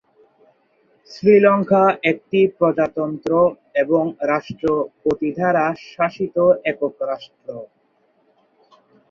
শ্রীলঙ্কা একটি প্রজাতন্ত্র এবং রাষ্ট্রপতি দ্বারা শাসিত একক রাষ্ট্র।